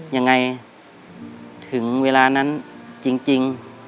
ยังไงถึงเวลานั้นจริง